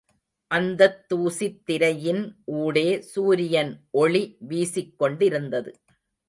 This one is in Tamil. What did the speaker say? அந்தத் தூசித் திரையின் ஊடே சூரியன் ஒளி வீசிக் கொண்டிருந்தது.